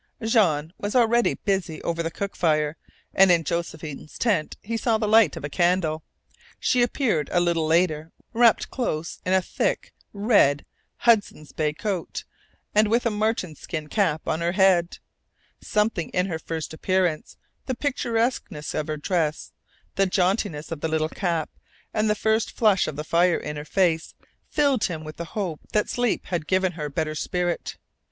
Jean was already busy over the cook fire, and in Josephine's tent he saw the light of a candle. She appeared a little later, wrapped close in a thick red Hudson's Bay coat, and with a marten skin cap on her head. Something in her first appearance, the picturesqueness of her dress, the jauntiness of the little cap, and the first flush of the fire in her face filled him with the hope that sleep had given her better spirit.